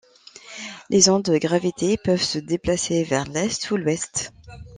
Les ondes de gravité peuvent se déplacer vers l'est ou l'ouest.